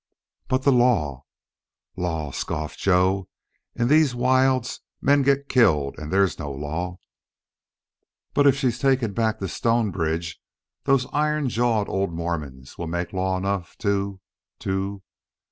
"But the law!" "Law!" scoffed Joe. "In these wilds men get killed and there's no law. But if she's taken back to Stonebridge those iron jawed old Mormons will make law enough to to...